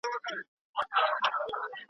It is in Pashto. د شهید زیارت یې ورک دی پر قاتل جنډۍ ولاړي .